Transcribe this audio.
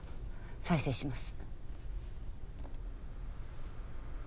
再生します。